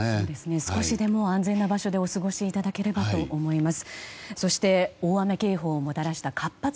少しでも安全な場所でお過ごしいただければと思います。